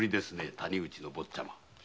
谷口の坊ちゃま。